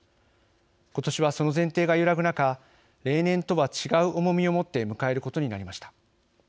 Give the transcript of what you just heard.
今年は、その前提が揺らぐ中例年とは違う重みを持って迎えることになりました。